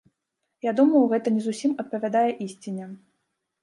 Я думаю, гэта не зусім адпавядае ісціне.